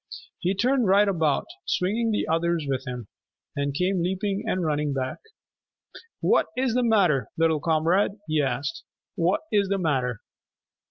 He turned right about, swinging the others with him, and came leaping and running back. "What is the matter, little comrade?" he asked. "What is the matter?"